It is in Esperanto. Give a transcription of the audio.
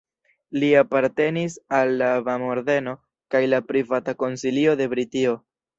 Li apartenis al la Ban-ordeno kaj la Privata Konsilio de Britio.